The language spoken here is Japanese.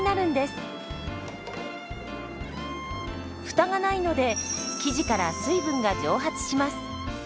フタがないので生地から水分が蒸発します。